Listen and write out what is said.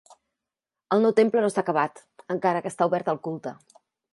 El nou temple no està acabat, encara que està obert al culte.